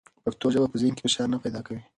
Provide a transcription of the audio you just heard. پښتو ژبه په ذهن کې فشار نه پیدا کوي.